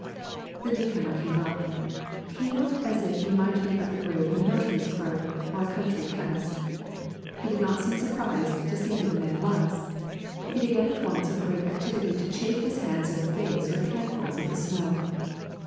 The new comer came up. He looked as if he might be of the grade of a notary's clerk or a country chemist. He did not seem surprised to see who the man was. He began at once with great activity to chafe his hands and face with handfuls of the snow.